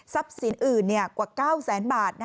ทรัพย์สินอื่นกว่า๙๐๐๐๐๐บาท